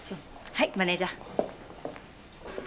はいマネジャー。